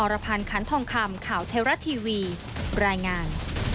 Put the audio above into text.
รพันธ์คันทองคำข่าวเทวรัฐทีวีรายงาน